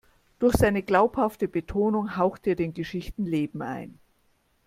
Durch seine glaubhafte Betonung haucht er den Geschichten Leben ein.